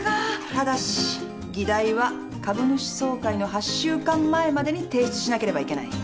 ただし議題は株主総会の８週間前までに提出しなければいけない。